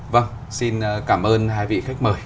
vâng xin cảm ơn hai vị khách mời